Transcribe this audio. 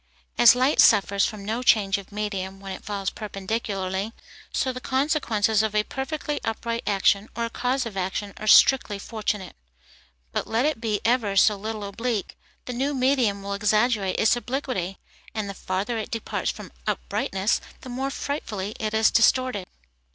As light suffers from no change of medium when it falls perpendicularly, so the consequences of a perfectly upright action, or cause of action, are strictly fortunate. But let it be ever so little oblique, the new medium will exaggerate its obliquity; and the farther it departs from uprightness, the more frightfully it is distorted.